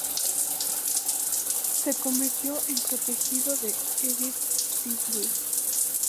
Se convirtió en protegido de Edith Sitwell.